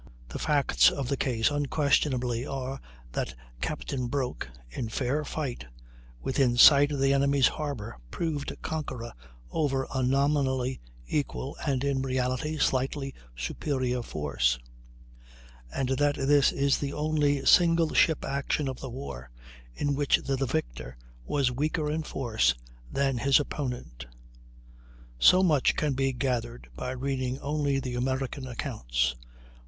The facts of the case unquestionably are that Captain Broke, in fair fight, within sight of the enemy's harbor, proved conqueror over a nominally equal and in reality slightly superior force; and that this is the only single ship action of the war in which the victor was weaker in force than his opponent. So much can be gathered by reading only the American accounts.